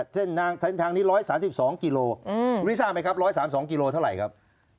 เซ่นทางนี้๑๓๒กิโลกริซ่าไหมครับ๑๓๒กิโลเท่าไรครับ